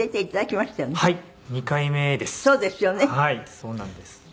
２回目です。